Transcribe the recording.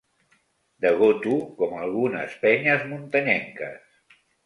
Degoto com algunes penyes muntanyenques.